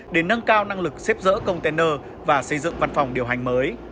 để nâng cao năng lực xếp dỡ container và xây dựng văn phòng điều hành mới